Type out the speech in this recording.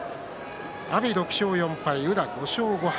阿炎６勝４敗、宇良５勝５敗。